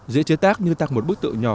dễ chế tác như tặng một bức tự nhỏ